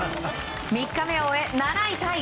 ３日目を終え７位タイ。